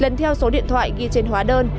lần theo số điện thoại ghi trên hóa đơn